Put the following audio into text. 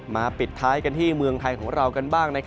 ปิดท้ายกันที่เมืองไทยของเรากันบ้าง